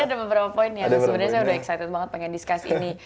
ada beberapa poin yang sebenarnya saya udah excited banget pengen discuss ini